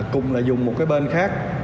cùng là dùng một cái bên khác